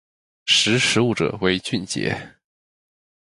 识时务者为俊杰